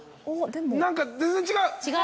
何か全然違う！